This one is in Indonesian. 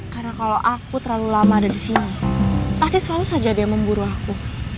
karena kalau aku terlalu lama ada di sini pasti selalu saja ada yang memburu aku